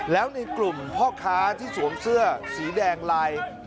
แล้วในกลุ่มพ่อค้าที่สวมเสื้อสีแดงลาย